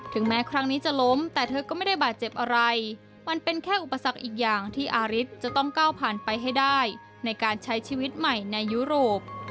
แม้ครั้งนี้จะล้มแต่เธอก็ไม่ได้บาดเจ็บอะไรมันเป็นแค่อุปสรรคอีกอย่างที่อาริสจะต้องก้าวผ่านไปให้ได้ในการใช้ชีวิตใหม่ในยุโรป